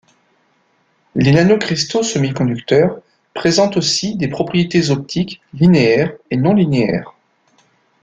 Les nanocristaux semi-conducteurs présentent aussi des propriétés optiques linéaires et non linéaires.